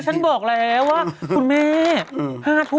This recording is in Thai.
หนูพักลูกไม่มาลูก